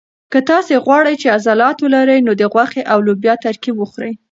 که تاسي غواړئ چې عضلات ولرئ نو د غوښې او لوبیا ترکیب وخورئ.